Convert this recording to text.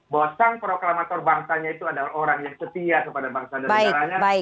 bahwa sang proklamator bangsanya itu adalah orang yang setia kepada bangsa dan negaranya